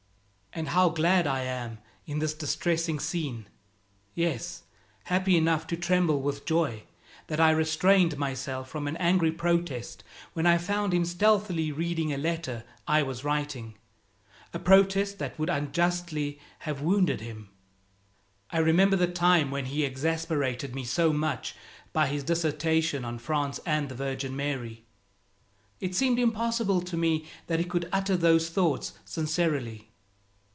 And how glad I am in this distressing scene yes, happy enough to tremble with joy that I restrained myself from an angry protest when I found him stealthily reading a letter I was writing, a protest that would unjustly have wounded him! I remember the time when he exasperated me so much by his dissertation on France and the Virgin Mary. It seemed impossible to me that he could utter those thoughts sincerely.